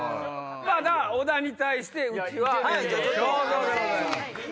小田に対してうちは章造でございます。